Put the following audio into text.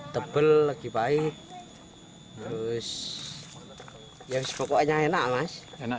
tebel lagi baik terus pokoknya enak mas